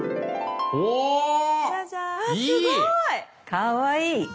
かわいい！